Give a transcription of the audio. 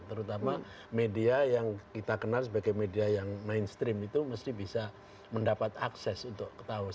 terutama media yang kita kenal sebagai media yang mainstream itu mesti bisa mendapat akses untuk ketahuan